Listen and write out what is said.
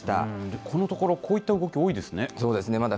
このところ、こういった動きそうですね。